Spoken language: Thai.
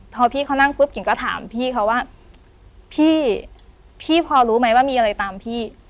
พอพี่เขานั่งปุ๊บกิ่งก็ถามพี่เขาว่าพี่พี่พอรู้ไหมว่ามีอะไรตามพี่